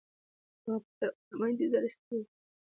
هغه به تر غرمه انتظار ایستلی وي.